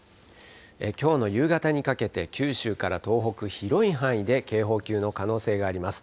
きょうの夕方にかけて九州から東北、広い範囲で警報級の可能性があります。